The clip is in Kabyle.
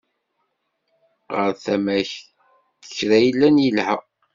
Ɣer tama-k kra yellan yelha.